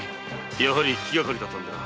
やはり気がかりだったのでな。